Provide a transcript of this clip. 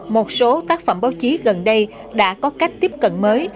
một số tác phẩm báo chí gần đây đã có cách tiếp cận mới